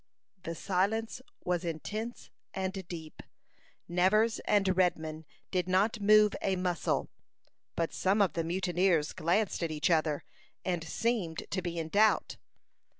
The silence was intense and deep. Nevers and Redman did not move a muscle, but some of the mutineers glanced at each other, and seemed to be in doubt.